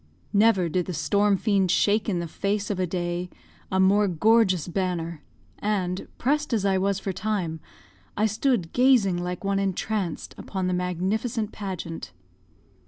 Never did the storm fiend shake in the face of a day a more gorgeous banner; and, pressed as I was for time, I stood gazing like one entranced upon the magnificent pageant.